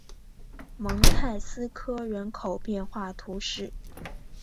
蒙泰斯科人口变化图示